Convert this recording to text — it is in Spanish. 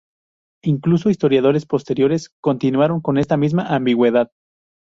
Incluso historiadores posteriores, continuaron con esta misma ambigüedad.